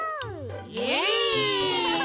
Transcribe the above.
イエイ！